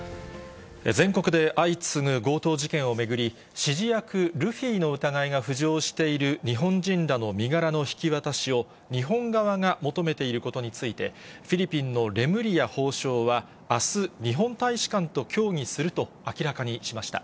全国で相次ぐ強盗事件を巡り、指示役、ルフィの疑いが浮上している日本人らの身柄の引き渡しを、日本側が求めていることについて、フィリピンのレムリヤ法相はあす、日本大使館と協議すると明らかにしました。